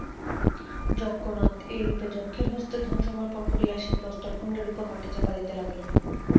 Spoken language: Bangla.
যজ্ঞনাথ এইরূপে যক্ষের হস্তে ধন সমর্পণ করিয়া সেই প্রস্তরখণ্ডের উপর মাটি চাপা দিতে লাগিলেন।